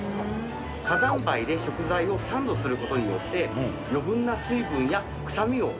火山灰で食材をサンドする事によって余分な水分や臭みを吸ってくれるんです。